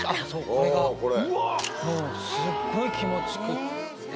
これがもうすっごい気持ちくって。